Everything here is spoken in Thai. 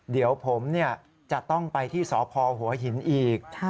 เดี๋ยวผมจะต้องไปที่สพหัวหินอีก